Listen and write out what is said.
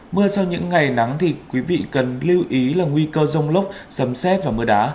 mưa sau những ngày nắng thì quý vị cần lưu ý là nguy cơ rông lốc sấm xét và mưa đá